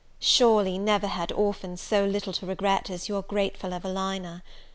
Surely, never had orphan so little to regret as your grateful Evelina!